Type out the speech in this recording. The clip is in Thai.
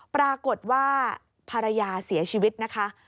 ปรากฏว่าภรรยาเสียชีวิตนะคะ